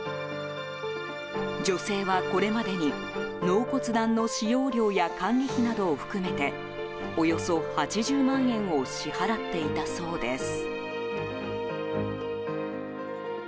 女性はこれまでに納骨壇の使用料や管理費などを含めておよそ８０万円を支払っていたそうです。